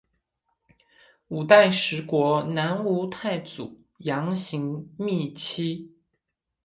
五代十国南吴太祖杨行密妻。